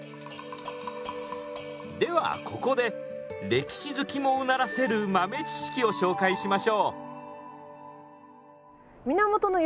ではここで歴史好きもうならせる豆知識を紹介しましょう！